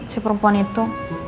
si perempuan itu